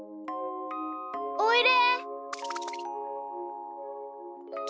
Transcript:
おいで？